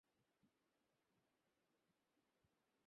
খালি চোখে পরিবেশের সৌন্দর্য সবাই দেখতে পাই, কিন্তু বিপর্যয় সবাই দেখি না।